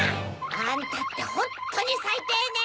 あんたってホントにさいていね！